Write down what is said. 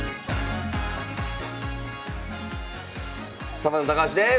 サバンナ高橋です。